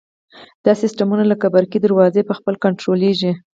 دا سیسټمونه لکه برقي دروازې په خپله کنټرولیږي.